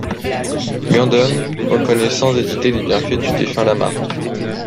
Gendhun reconnaît sans hésiter les biens du défunt Lama.